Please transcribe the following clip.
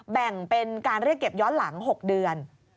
แบ่งเป็นการเรียกเก็บย้อนหลัง๖เดือน